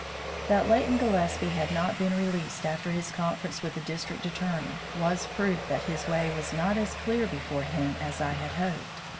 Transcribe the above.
That Leighton Gillespie had not been released after his conference with the District Attorney was proof that his way was not as clear before him as I had hoped.